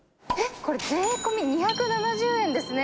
これ、税込み２７０円ですね。